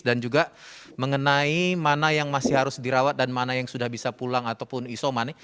dan juga mengenai mana yang masih harus dirawat dan mana yang sudah bisa pulang ataupun isoman